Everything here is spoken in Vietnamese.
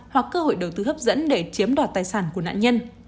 hoặc cơ hội đầu tư hấp dẫn để chiếm đoạt tài sản của nạn nhân